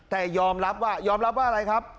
แต่ยอมรับว่ายอมรับว่าอะไรครับ